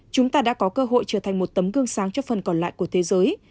chúng ta đã có cơ hội trở thành một tấm gương sáng cho phần còn lại của thế giới